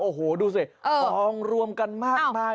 โอ้โหดูสิทองรวมกันมากมาย